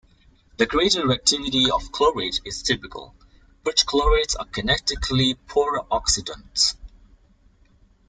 The greater reactivity of chlorate is typical – perchlorates are kinetically poorer oxidants.